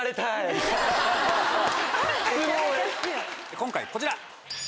今回こちら！